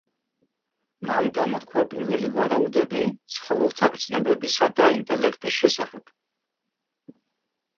მან გამოთქვა პირველი ვარაუდები ცხოველთა გრძნობებისა და ინტელექტის შესახებ.